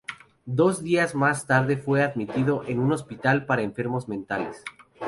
Dos días más tarde fue admitido en un hospital para enfermos mentales.